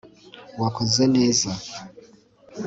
wakoze neza